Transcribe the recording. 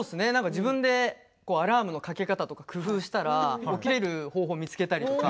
自分でアラームのかけ方とか工夫したら起きられる方法を見つけたりとか。